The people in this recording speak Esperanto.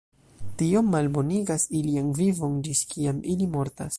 Tio malbonigas ilian vivon ĝis kiam ili mortas.